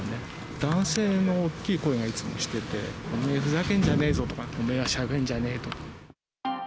男性の大きい声がいつもしてて、ふざけんじゃねえぞとか、お前はしゃべるんじゃねえとか。